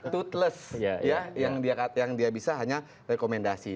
tootless yang dia bisa hanya rekomendasi